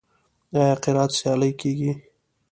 آیا قرائت سیالۍ کیږي؟